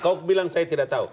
kau bilang saya tidak tahu